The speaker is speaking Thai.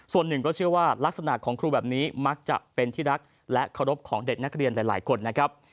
ส่วนหนึ่งก็เชื่อว่ารักษณะของครูแบบนี้มักจะเป็นที่รักและเคารพของเด็กนักเรียนหลายคนนะครับ